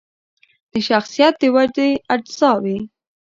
د شخصیت د ودې اجزاوې